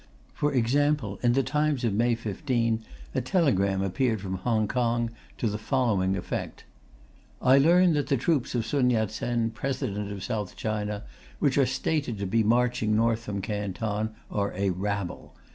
For example, in The Times of May 15, a telegram appeared from Hong Kong to the following effect: I learn that the troops of Sun Yat Sen, President of South China, which are stated to be marching north from Canton, are a rabble.